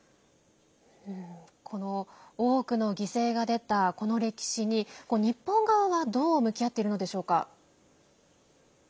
この多くの犠牲が出たこの歴史に日本側はどう向き合っているのでしょうか。